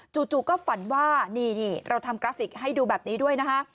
จู่ก็ฝันว่านี่เราทำกราฟิกให้ดูแบบนี้ด้วยนะคะ